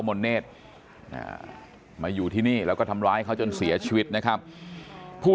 นเนธมาอยู่ที่นี่แล้วก็ทำร้ายเขาจนเสียชีวิตนะครับผู้